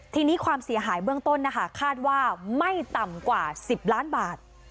ทีนี้ความเสียหายเบื้องต้นนะคะคาดว่าไม่ต่ำกว่า๑๐ล้านบาท